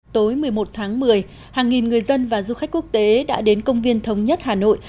tối một mươi một tháng một mươi hàng nghìn người dân và du khách quốc tế đã đến công viên thống nhất hà nội